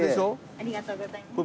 ありがとうございます。